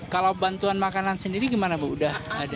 kalau bantuan makanan sendiri gimana bu udah ada